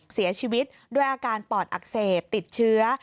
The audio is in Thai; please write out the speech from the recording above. เสียชีวิตด้วยอาการปอดอักเสบติดเชื้อ